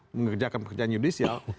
mengerjakan pekerjaan judisial